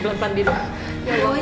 ya allah ya allah ya allah